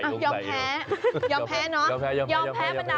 ย่อแพ้ปราณ่าพ่อค้าแม่ค้า